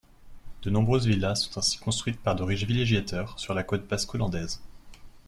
De nombreuses villas sont ainsi construites par de riches villégiateurs sur la côte basco-landaise.